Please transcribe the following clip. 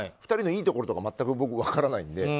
２人のいいところとか全く僕、分からないので。